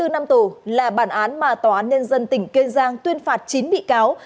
một trăm bảy mươi bốn năm tù là bản án mà tòa án nhân dân tỉnh kiên giang tuyên phạt chín bị cáo